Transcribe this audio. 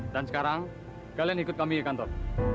dan sekarang kalian ikut kami ke kantor